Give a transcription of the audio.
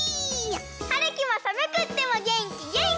はるきもさむくってもげんきげんき！